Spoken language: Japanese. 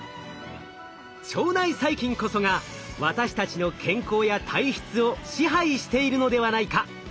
腸内細菌こそが私たちの健康や体質を支配しているのではないか。